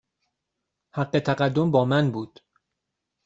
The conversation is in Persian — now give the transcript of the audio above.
حق تقدم با من بود.